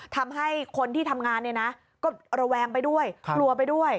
ทำให้คนที่ทำงานเนี่ยนะก็ระแวงไปด้วยกลัวไปด้วย